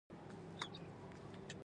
تاسو ولې دومره خفه يي مسکا وکړئ